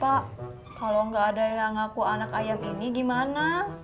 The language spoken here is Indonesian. pak kalau nggak ada yang ngaku anak ayam ini gimana